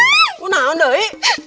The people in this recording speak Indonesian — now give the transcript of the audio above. tidak ada lagi